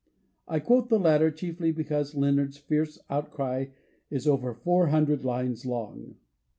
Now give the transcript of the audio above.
I quote the latter, chiefly because Leonard's fierce outcry is over four hundred lines long.